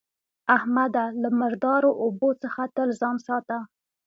احمده! له مردارو اوبو څخه تل ځان ساته.